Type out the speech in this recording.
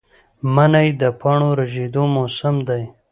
منی د پاڼو ریژیدو موسم دی